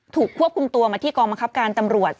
ถูกควบคุมตัวมาที่กองบังคับการตำรวจ